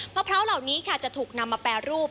พร้าวเหล่านี้ค่ะจะถูกนำมาแปรรูป